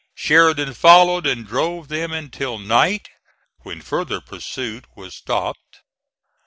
Sheridan followed, and drove them until night, when further pursuit was stopped.